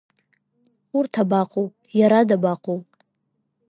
Урҭ абаҟоу, иара дабаҟоу?